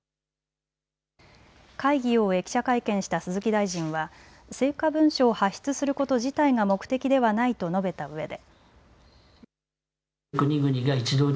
会議を終え記者会見した鈴木大臣は成果文書を発出すること自体が目的ではないと述べたうえで。